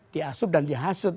diasup dan dihasut